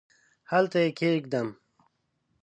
هلته یې کښېږدم ؟؟